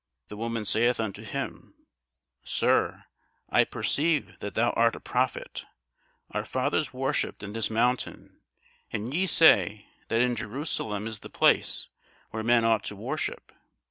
The woman saith unto him, Sir, I perceive that thou art a prophet. Our fathers worshipped in this mountain; and ye say, that in Jerusalem is the place where men ought to worship.